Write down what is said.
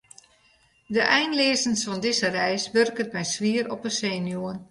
De einleazens fan dizze reis wurket my swier op 'e senuwen.